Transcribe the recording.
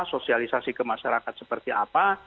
sosialisasi kemasyarakat seperti apa